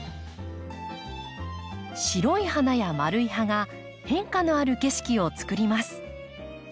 白い花や丸い葉が変化のある景色を作ります。